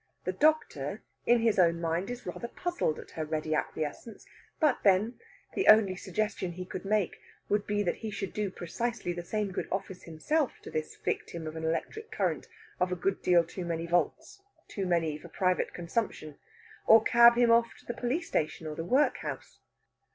The doctor, in his own mind, is rather puzzled at her ready acquiescence; but, then, the only suggestion he could make would be that he should do precisely the same good office himself to this victim of an electric current of a good deal too many volts too many for private consumption or cab him off to the police station or the workhouse.